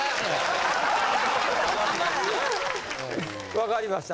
わかりました。